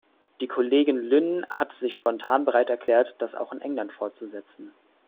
Die Kollegin Lynne hat sich spontan bereit erklärt, das auch in England fortzusetzen.